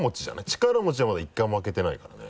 力持ちはまだ１回も開けてないからね。